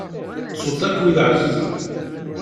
Tettuḍ akk wid ɛzizen.